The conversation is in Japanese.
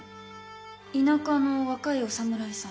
田舎の若いお侍さん。